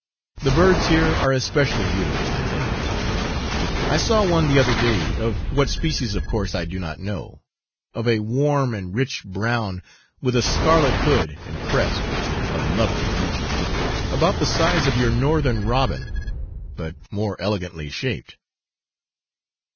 The birds here are especially beautiful, I think. I saw one the other day, of what species of course I do not know, of a warm and rich brown, with a scarlet hood and crest a lovely creature, about the size of your northern robin, but more elegantly shaped.